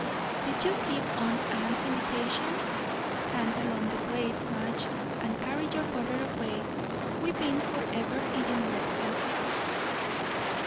"Did you give aunt Anne's invitation? Hand along the plates, Madge, and carry your butter away. We've been for ever eating breakfast."